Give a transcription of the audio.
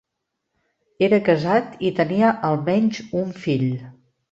Era casat i tenia almenys un fill.